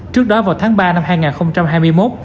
trước đó vào tháng ba năm hai nghìn hai mươi một